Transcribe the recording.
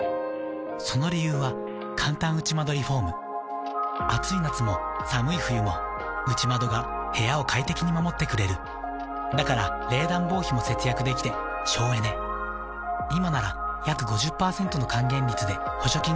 その理由はかんたん内窓リフォーム暑い夏も寒い冬も内窓が部屋を快適に守ってくれるだから冷暖房費も節約できて省エネ「内窓プラマードＵ」ＹＫＫＡＰ